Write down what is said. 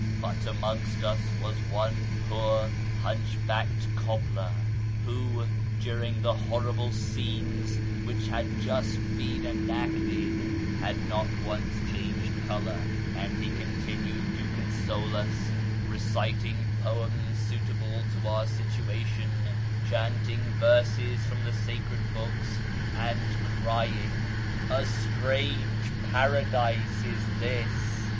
But amongst us was AMONGST THE KALANDARS 517 one poor hunchbacked cobbler, who, during the horrible scenes which had just been enacted, had not once changed colour, and he continued to console us, reciting poems suitable to our situation, chanting verses from the sacred books, and crying, ' A strange paradise is this